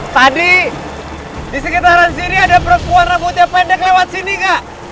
tadi di sekitaran sini ada perempuan rambutnya pendek lewat sini gak